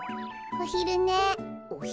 おひるね？